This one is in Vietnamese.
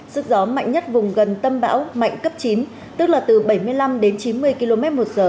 sức gió mạnh nhất vùng gần tâm bão mạnh cấp một mươi một tức là từ một trăm linh đến một trăm hai mươi km một giờ